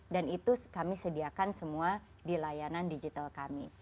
dan itu kami sediakan semua di layanan digital kami